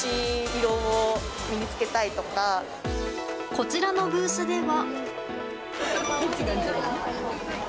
こちらのブースでは。